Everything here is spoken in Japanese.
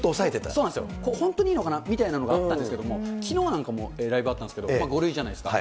そうなんですよ、これ本当にいいのかな？みたいのがあったんですけど、きのうなんかもライブあったんですけれども、５類じゃないですか。